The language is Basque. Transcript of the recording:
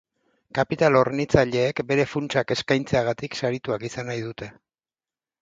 Kapital-hornitzaileek, bere funtsak eskaintzeagatik sarituak izan nahi dute.